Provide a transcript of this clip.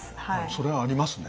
それはありますね。